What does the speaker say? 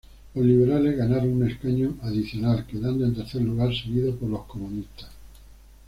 Los liberales ganaron un escaño adicional quedando en tercer lugar, seguidos por los comunistas.